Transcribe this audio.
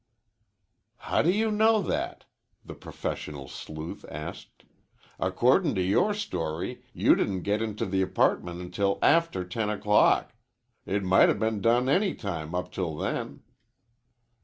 "How do you know that?" the professional sleuth asked. "Accordin' to your story you didn't get into the apartment until after ten o'clock. It might 'a' been done any time up till then."